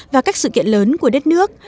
và các sự kiện lớn của đất nước